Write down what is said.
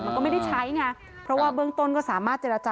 มันก็ไม่ได้ใช้ไงเพราะว่าเบื้องต้นก็สามารถเจรจา